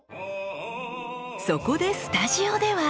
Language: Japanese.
そこでスタジオでは。